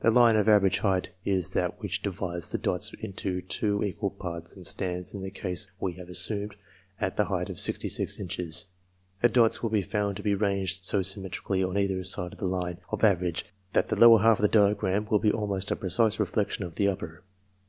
The line of average height is that which divides the dots into two equal parts, and stands, in the case we have assumed, at the height of sixty six inches. The dots will be found to be ranged so symmetric ally on either side of the line of average, that the lower half of the diagram will be almost a precise reflection of the upper.